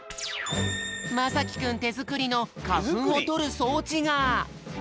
まさきくんてづくりのかふんをとるそうちが！